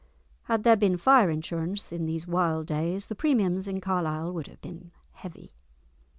Had there been fire insurance in these wild days, the premiums in Carlisle would have been heavy!